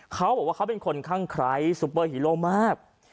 เขาบอกว่าเขาเป็นคนข้างไคร้ซุปเปอร์ฮีโร่มาก